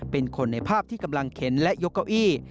เป็นคนในภาพที่กำลังเข็นและยกเก้าอี้